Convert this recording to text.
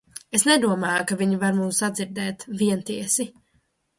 Es nedomāju, ka viņi var mūs sadzirdēt, vientiesi!